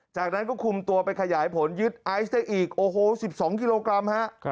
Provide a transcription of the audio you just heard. จากนั้นก็คุมตัวไปขยายผลยึดไอซ์ได้อีกโอ้โห๑๒กิโลกรัมฮะ